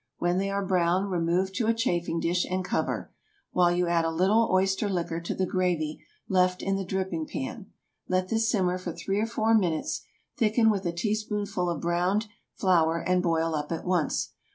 When they are brown, remove to a chafing dish, and cover, while you add a little oyster liquor to the gravy left in the dripping pan. Let this simmer for three or four minutes; thicken with a teaspoonful of browned flour, and boil up at once.